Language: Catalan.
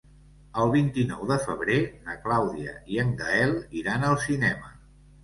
El vint-i-nou de febrer na Clàudia i en Gaël iran al cinema.